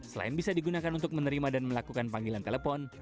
selain bisa digunakan untuk menerima dan melakukan panggilan telepon